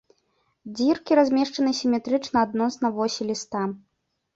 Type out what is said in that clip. Дзіркі размешчаны сіметрычна адносна восі ліста.